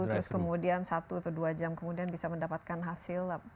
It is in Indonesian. terus kemudian satu atau dua jam kemudian bisa mendapatkan hasil